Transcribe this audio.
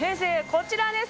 こちらです。